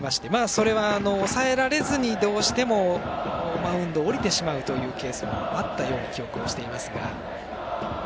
それは抑えられずにどうしてもマウンドを降りてしまうというケースもあったように記憶していますが。